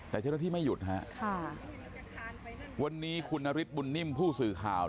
แต่เจ้าหน้าที่ไม่หยุดฮะค่ะวันนี้คุณนฤทธบุญนิ่มผู้สื่อข่าว